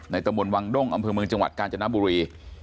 ตะมนต์วังด้งอำเภอเมืองจังหวัดกาญจนบุรี